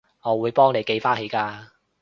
我會幫你記返起㗎